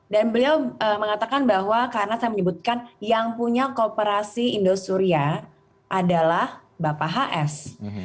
dan beliau mengatakan bahwa karena saya menyebutkan yang punya kooperasi indosuria adalah bapak hs